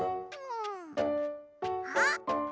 うん。あっ！